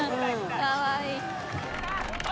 かわいい。